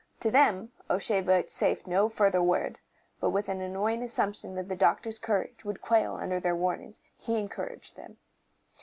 To them O'Shea vouchsafed no further word, but with an annoying assumption that the doctor's courage would quail under their warnings, he encouraged him.